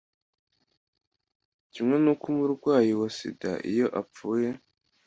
kimwe nuko umurwayi wa sida iyo apfuye